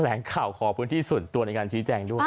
ลงข่าวขอพื้นที่ส่วนตัวในการชี้แจงด้วย